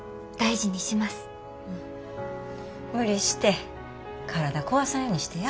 無理して体壊さんようにしてや？